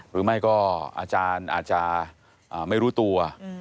หรือไม่ก็อาจารย์อาจจะไม่รู้ตัว